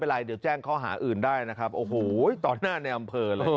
สมมติว่าเป็นลูกจริงขึ้นมาจะทำยังไงครับ